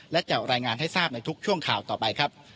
และจะรายงานให้ทราบในทุกช่วงข่าวต่อไปครับ